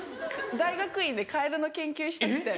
大学院でカエルの研究したくて。